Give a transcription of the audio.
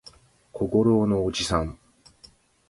小五郎のおじさん